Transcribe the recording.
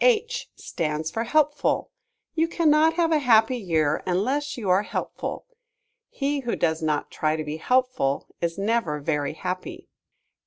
H stands for Helpful. You cannot have a happy year unless you are helpful. He who does not try to be helpful is never very happy.